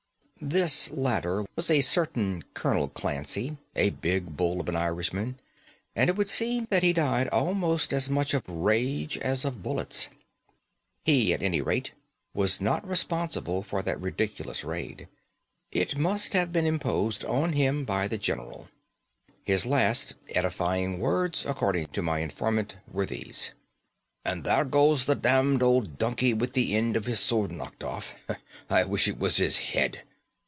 This latter was a certain Colonel Clancy, a big bull of an Irishman; and it would seem that he died almost as much of rage as of bullets. He, at any rate, was not responsible for that ridiculous raid; it must have been imposed on him by the general. His last edifying words, according to my informant, were these: 'And there goes the damned old donkey with the end of his sword knocked off. I wish it was his head.